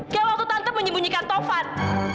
kayak waktu tante menyembunyikan tovan